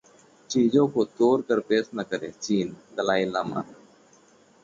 चीजों को तोड़ कर पेश न करे चीन: दलाई लामा